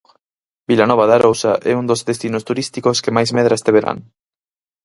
Vilanova de Arousa é un dos destinos turísticos que máis medra este verán.